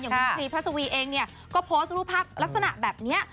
คุณซีพระสวีเองเนี่ยก็โพสต์รูปภาพลักษณะแบบนี้